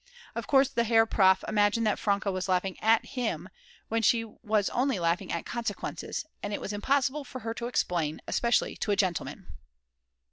Of course the Herr Prof. imagined that Franke was laughing at him when she was only laughing at consequences; and it was impossible for her to explain, especially to a gentleman!!!!